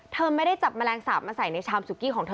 เธอไม่ได้จับแมลงสาปมาใส่ในชามสุกี้ของเธอ